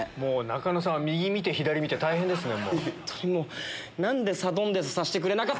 仲野さんは右見て左見て大変ですね。